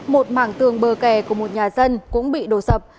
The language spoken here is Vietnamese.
một mảng tường bờ kè của một nhà dân cũng bị đổ sập